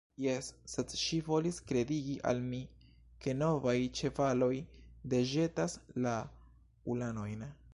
Jes, sed ŝi volis kredigi al mi, ke novaj ĉevaloj deĵetas la ulanojn.